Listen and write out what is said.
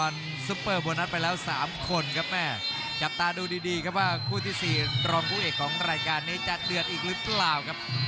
เดินทางมาถึงคู่ที่๔ของรายการนะครับ